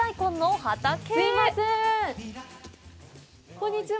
こんにちは。